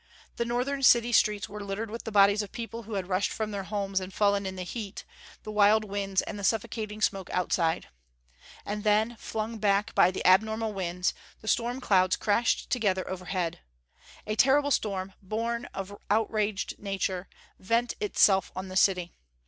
The northern city streets were littered with the bodies of people who had rushed from their homes and fallen in the heat, the wild winds and the suffocating smoke outside. And then, flung back by the abnormal winds, the storm clouds crashed together overhead. A terrible storm, born of outraged nature, vent itself on the city.